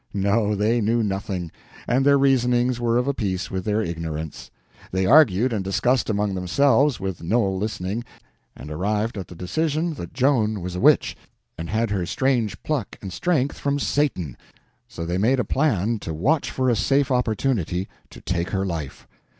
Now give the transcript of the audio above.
No, they knew nothing, and their reasonings were of a piece with their ignorance. They argued and discussed among themselves, with Noel listening, and arrived at the decision that Joan was a witch, and had her strange pluck and strength from Satan; so they made a plan to watch for a safe opportunity to take her life.